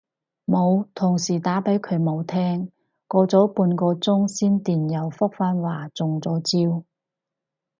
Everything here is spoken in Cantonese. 冇，同事打畀佢冇聽，過咗半個鐘先電郵覆返話中咗招